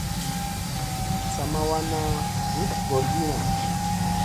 Sa ma wanna vut gorbina.